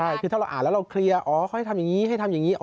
ใช่คือถ้าเราอ่านแล้วเราเคลียร์อ๋อเขาให้ทำอย่างนี้ให้ทำอย่างนี้